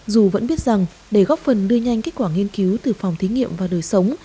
dù vẫn biết rằng để góp phần đưa nhanh kết quả nghiên cứu từ phòng thí nghiệm vào đời sống